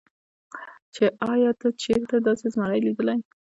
چې ايا تا چرته داسې زمرے ليدلے